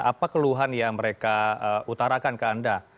apa keluhan yang mereka utarakan ke anda